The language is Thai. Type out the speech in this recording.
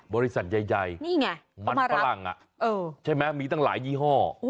บริษัทใหญ่มันฝรั่งมีตั้งหลายยี่ห้อ